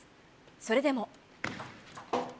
それでも。